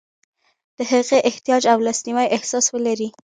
د هغه احتیاج او لاسنیوي احساس ولري.